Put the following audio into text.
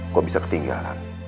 kok bisa ketinggalan